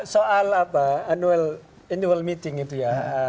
soal apa annual meeting itu ya